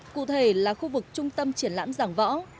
cụ thể là khu vực trung tâm triển lãm giảng võ